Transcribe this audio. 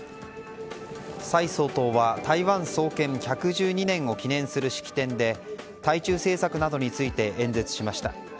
蔡総統は台湾創建１１２年を記念する式典で対中政策などについて演説しました。